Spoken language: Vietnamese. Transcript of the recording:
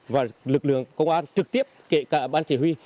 và lực lượng công an trực tiếp kể cả ban chỉ huy